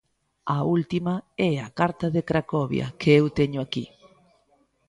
A última é a Carta de Cracovia, que eu teño aquí.